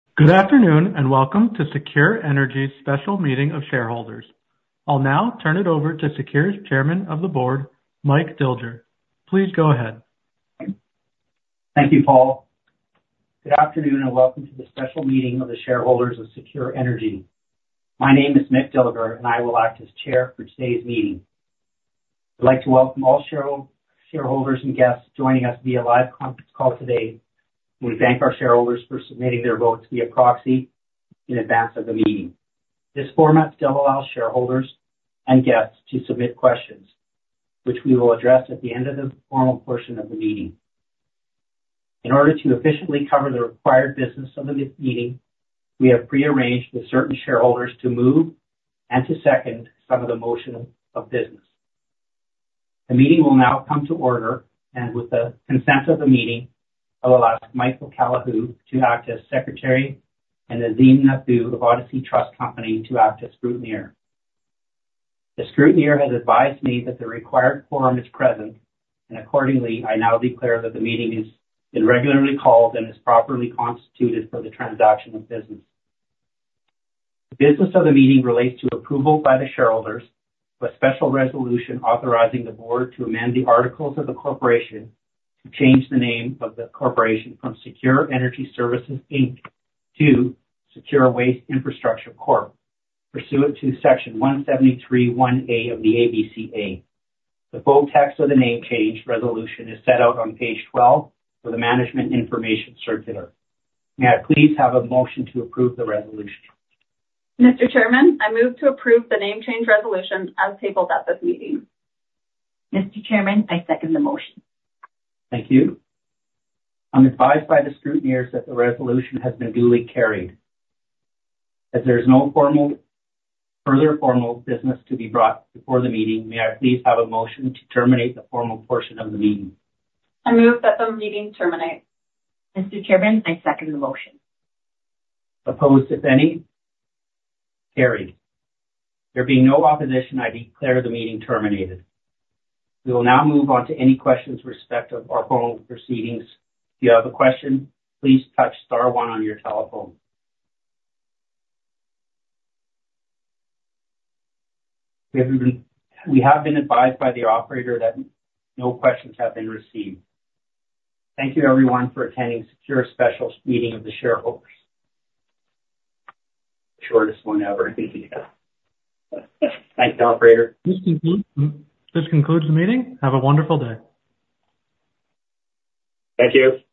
Good afternoon and welcome to Secure Energy's special meeting of shareholders. I'll now turn it over to Secure's Chairman of the Board, Mick Dilger. Please go ahead. Thank you, Paul. Good afternoon and welcome to the special meeting of the shareholders of Secure Energy. My name is Mick Dilger, and I will act as Chair for today's meeting. I'd like to welcome all shareholders and guests joining us via live conference call today. We thank our shareholders for submitting their votes via proxy in advance of the meeting. This format still allows shareholders and guests to submit questions, which we will address at the end of the formal portion of the meeting. In order to efficiently cover the required business of the meeting, we have prearranged with certain shareholders to move and to second some of the motion of business. The meeting will now come to order, and with the consent of the meeting, I'll allow Michael Callihoo to act as Secretary and Azim Nathoo of Odyssey Trust Company to act as Scrutineer. The Scrutineer has advised me that the required quorum is present, and accordingly, I now declare that the meeting has been regularly called and is properly constituted for the transaction of business. The business of the meeting relates to approval by the shareholders of a special resolution authorizing the Board to amend the articles of the corporation to change the name of the corporation from Secure Energy Services Inc. to Secure Waste Infrastructure Corp. Pursuant to Section 173(1)(a) of the ABCA, the full text of the name change resolution is set out on page 12 of the Management Information Circular. May I please have a motion to approve the resolution? Mr. Chairman, I move to approve the name change resolution as tabled at this meeting. Mr. Chairman, I second the motion. Thank you. I'm advised by the Scrutineers that the resolution has been duly carried. As there is no further formal business to be brought before the meeting, may I please have a motion to terminate the formal portion of the meeting? I move that the meeting terminate. Mr. Chairman, I second the motion. Opposed, if any? Carried. There being no opposition, I declare the meeting terminated. We will now move on to any questions with respect to our formal proceedings. If you have a question, please touch star one on your telephone. We have been advised by the operator that no questions have been received. Thank you, everyone, for attending Secure's special meeting of the shareholders. Shortest one ever. Thank you, guys. Thank you, Operator. This concludes the meeting. Have a wonderful day. Thank you.